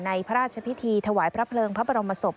พระราชพิธีถวายพระเพลิงพระบรมศพ